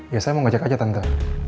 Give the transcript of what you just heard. ya saya mau ngajak aja tante